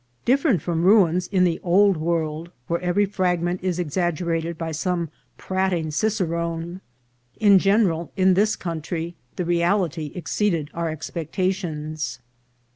Different from ruins in the Old World, where every fragment is exaggerated by some prating cicerone, in general, in this country, the reality exceeded our expectations.